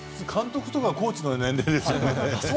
監督とかコーチの年齢ですよね。